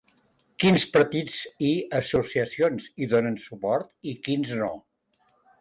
Quins partits i associacions hi donen suport i quins no?